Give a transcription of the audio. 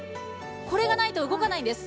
これがないと動かないんです。